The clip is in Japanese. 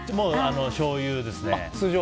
しょうゆです。